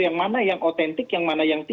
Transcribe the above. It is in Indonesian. yang mana yang otentik yang mana yang